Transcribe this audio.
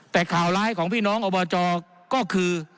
แต่ข่าวร้ายของพี่น้องอบจก็คือ